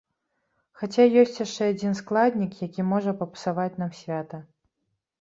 Хаця ёсць яшчэ адзін складнік, які можа папсаваць нам свята.